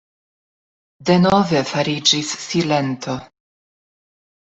Denove fariĝis silento.